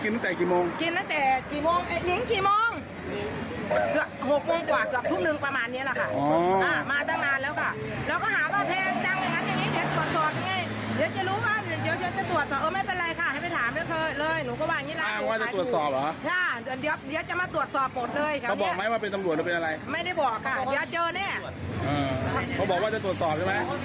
ไม่รู้ว่าจะตรวจสอบหรอ